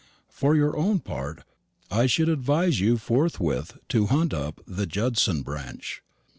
For your own part, I should advise you forthwith to hunt up the Judson branch.